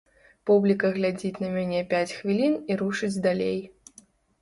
Публіка глядзіць на мяне пяць хвілін і рушыць далей.